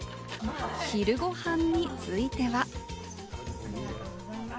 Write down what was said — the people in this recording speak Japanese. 昼ごはんについては。